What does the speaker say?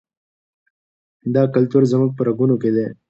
دا کلتور زموږ په رګونو کې دی.